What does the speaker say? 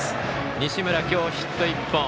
西村、今日、ヒット１本。